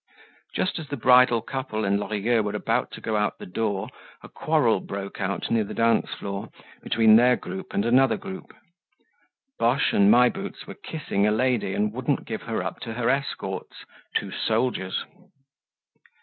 Just as the bridal couple and Lorilleux were about to go out the door, a quarrel broke out near the dance floor between their group and another group. Boche and My Boots were kissing a lady and wouldn't give her up to her escorts, two soldiers.